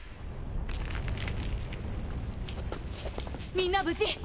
みんな無事！？